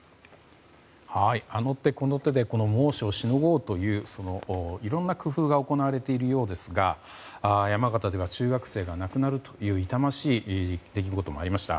あの手この手でこの猛暑をしのごうといういろいろな工夫が行われているようですが山形では中学生が亡くなるという痛ましい出来事もありました。